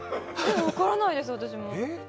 分からないです、私も。